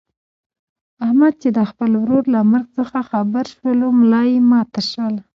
احمد چې د خپل ورور له مرګ څخه خبر شولو ملایې ماته شوله.